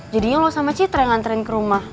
jadinya loh sama citra yang nganterin ke rumah